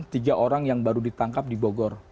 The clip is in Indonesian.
tiga orang yang baru ditangkap di bogor